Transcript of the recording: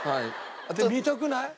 見たくない？